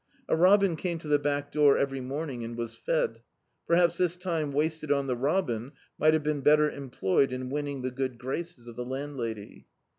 A robin came to the back door every morning and was fed. Perhaps this time wasted on the robin mi^t have been better employed in winning the good graces of the landlady.